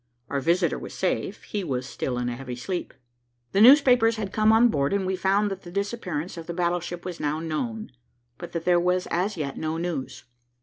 Our visitor was safe. He was still in a heavy sleep. The newspapers had come on board, and we found that the disappearance of the battleship was now known, but that there was as yet no news.